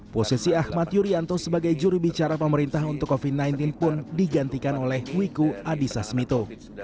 posisi ahmad yuryanto sebagai juri bicara pemerintah untuk covid sembilan belas pun digantikan oleh wiku adhisa smito